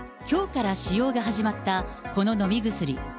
きょうから使用が始まったこの飲み薬。